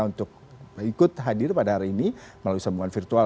untuk ikut hadir pada hari ini melalui sambungan virtual